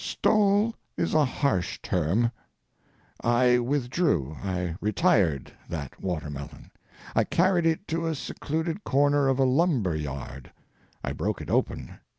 "Stole" is a harsh term. I withdrew—I retired that watermelon. I carried it to a secluded corner of a lumber yard. I broke it open.